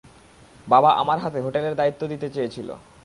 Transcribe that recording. বাবা আমার হাতে হোটেলের দায়িত্ব দিতে চেয়েছিল।